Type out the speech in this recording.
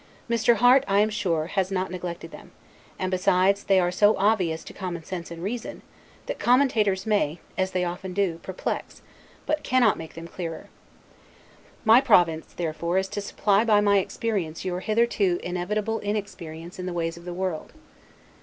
Mr. Harte, I am sure, has not neglected them; and, besides, they are so obvious to common sense and reason, that commentators may (as they often do) perplex, but cannot make them clearer. My province, therefore, is to supply by my experience your hitherto inevitable inexperience in the ways of the world.